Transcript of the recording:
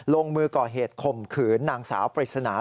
ลงมือก่อเหตุข่มขืนนางสาวปริศนา